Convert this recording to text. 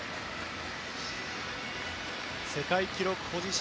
世界記録保持者